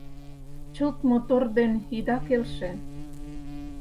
Чылт мотор ден ида келше